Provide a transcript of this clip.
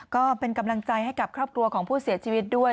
ก็เป็นกำลังใจให้กับครอบครัวของผู้เสียชีวิตด้วย